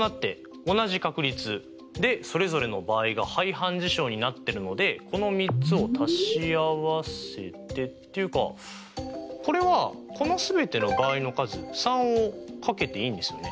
でそれぞれの場合が排反事象になってるのでこの３つを足し合わせてっていうかこれはこの全ての場合の数３を掛けていいんですよね？